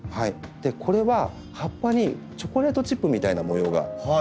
これは葉っぱにチョコレートチップみたいな模様が入るんです。